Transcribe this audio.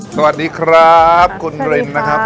สวัสดีครับคุณรินนะครับสวัสดีค่ะ